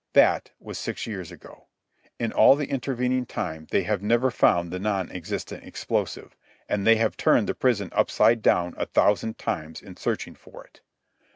That was six years ago. In all the intervening time they have never found that non existent explosive, and they have turned the prison upside down a thousand times in searching for it.